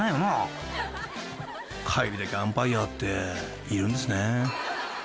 ［帰りだけアンパイアっているんですね］